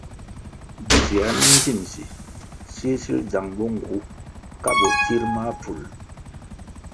Dzier mi ndzimsi sil sil dzang bo ngu ka botsir mahpful.